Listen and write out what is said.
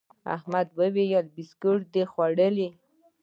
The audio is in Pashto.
احمد وويل: بيسکیټ دي خوړلي؟